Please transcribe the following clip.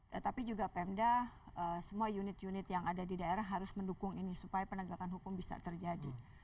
tetapi juga pemda semua unit unit yang ada di daerah harus mendukung ini supaya penegakan hukum bisa terjadi